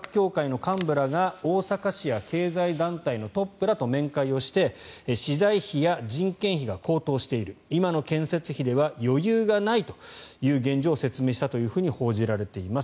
先月の２８日に万博協会の幹部らが大阪市や経済団体のトップらと面会をして資材費や人件費が高騰している今の建設費では余裕がないという現状を説明したと報じられています。